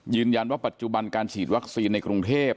ยืนยันว่าปัจจุบันการฉีดวัคซีนในกรุงเทพ